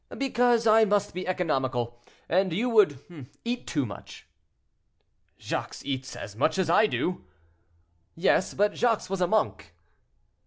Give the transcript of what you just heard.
"Because I must be economical, and you would eat too much." "Jacques eats as much as I do." "Yes, but Jacques was a monk."